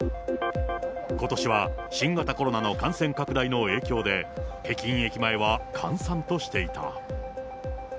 ことしは新型コロナの感染拡大の影響で、北京駅前は閑散としていた。